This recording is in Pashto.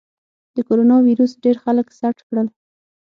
د کرونا ویروس ډېر خلک سټ کړل.